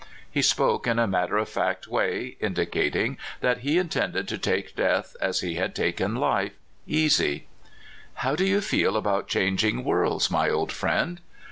He spoke in a matter of fact way, indi cating that he intended to take death, as he had taken life, easy. '* How do you feel about changing worlds, my old friend?